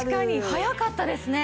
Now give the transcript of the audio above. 早かったですね。